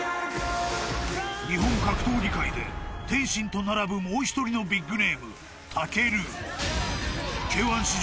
［日本格闘技界で天心と並ぶもう１人のビッグネーム］